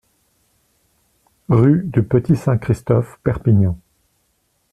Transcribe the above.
Rue du Petit-Saint-Christophe, Perpignan